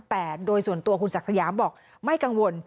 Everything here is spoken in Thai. แต่โดยส่วนตัวคุณศักดิ์สยามบอกไม่กังวล